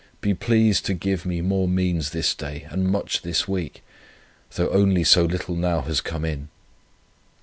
Be pleased to give me more means this day, and much this week, though only so little now has come in.